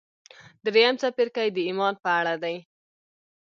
درېيم څپرکی د ايمان په اړه دی.